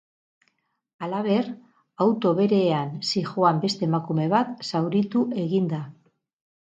Halaber, auto berean zihoan beste emakume bat zauritu egin da.